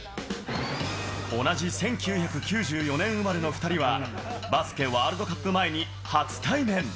同じ１９９４年生まれの２人は、バスケワールドカップ前に初対面。